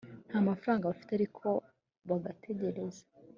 nta mafaranga bafite ariko bagategereza